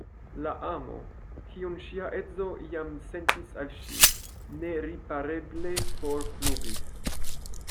La amo, kiun ŝia edzo iam sentis al ŝi, neripareble forflugis.